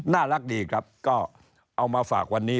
น่ารักดีครับก็เอามาฝากวันนี้